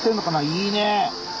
いいねえ。